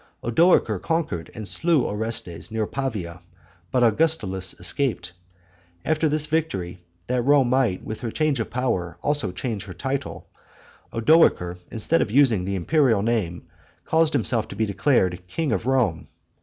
Odoacer conquered and slew Orestes near Pavia, but Augustulus escaped. After this victory, that Rome might, with her change of power, also change her title, Odoacer, instead of using the imperial name, caused himself to be declared king of Rome.